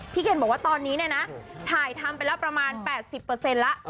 พี่เคนบอกว่าตอนนี้แน่นะถ่ายทำเป็นระประมาณ๘๐แหละ